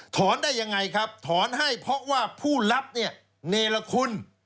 ถอนได้อย่างไรครับถอนให้เพราะว่าผู้รับเนลคุณ